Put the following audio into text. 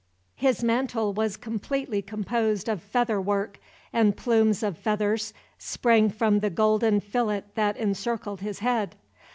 His mantle was completely composed of feather work, and plumes of feathers sprang from the golden fillet that encircled his head.